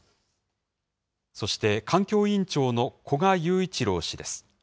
そして環境委員長の古賀友一郎氏です。